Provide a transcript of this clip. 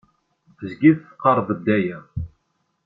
Tezgiḍ teqqareḍ-d aya.